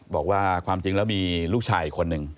บอกว่าความจริงแล้วมีลูกชายอีกคนนึง